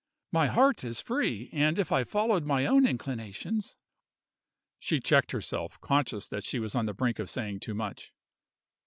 My heart is free, and if I followed my own inclinations " She checked herself, conscious that she was on the brink of saying too much.